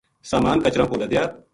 ساما ن کچراں پو لدیا